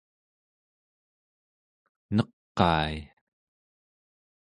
neqai